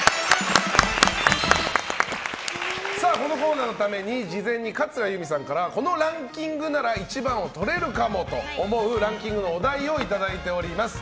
このコーナーのために事前に桂由美さんからこのランキングなら１番をとれるかもというランキングのお題をいただいております。